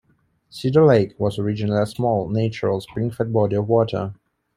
Cedar Lake was originally a small, natural, spring-fed body of water.